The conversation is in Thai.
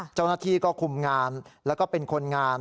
เจ้าหน้าที่ก็คุมงานแล้วก็เป็นคนงาน